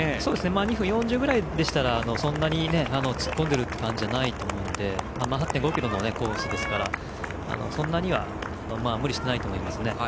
２分４０くらいでしたらそんなに突っ込んでる感じじゃないと思うので８．５ｋｍのコースですからそんなには無理しないと思います。